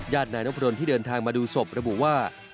นายนพดนที่เดินทางมาดูศพระบุว่า